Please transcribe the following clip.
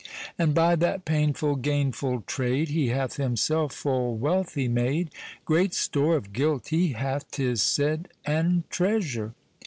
And by that painfull gainfull trade, He hath himselfe full wealthy made; Great store of guilt he hath, 'tis said, And treasure.